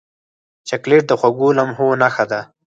چاکلېټ د خوږو لمحو نښه ده.